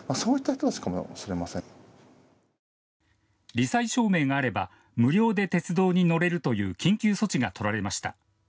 り災証明があれば無料で鉄道に乗れるという緊急措置が取られました。